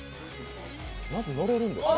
まず乗れるんですね。